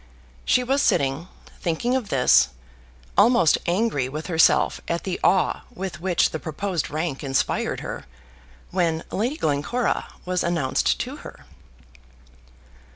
She was sitting thinking of this, almost angry with herself at the awe with which the proposed rank inspired her, when Lady Glencora was announced to her.